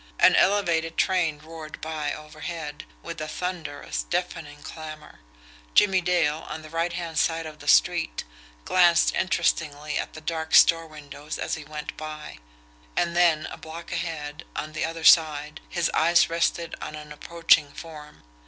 An elevated train roared by overhead, with a thunderous, deafening clamour. Jimmie Dale, on the right hand side of the street, glanced interestedly at the dark store windows as he went by. And then, a block ahead, on the other side, his eyes rested on an approaching form.